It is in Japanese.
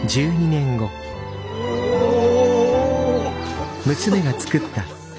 おお。